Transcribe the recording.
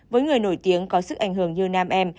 với người nổi tiếng có sức ảnh hưởng như nam em